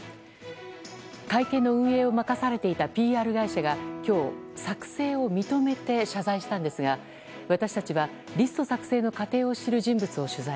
会見の運営を任されていたＰＲ会社が今日、作成を認めて謝罪したんですが私たちは、リスト作成の過程を知る人物を取材。